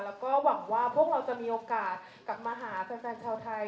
แล้วก็หวังว่าพวกเราจะมีโอกาสกลับมาหาแฟนชาวไทย